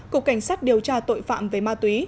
cục cảnh sát điều tra tội phạm về ma túy